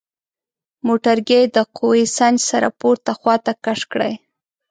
موټرګی د قوه سنج سره پورته خواته کش کړئ.